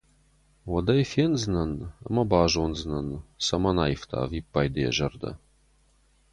Уӕд ӕй фендзынӕн ӕмӕ базондзынӕн, цӕмӕн аивта ӕвиппайды йӕ зӕрдӕ.